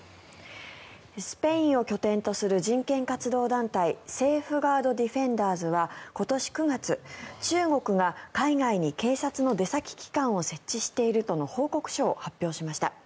スペインを拠点とする人権活動団体セーフガード・ディフェンダーズは今年９月中国が海外に警察の出先機関を設置しているとの報告書を発表しました。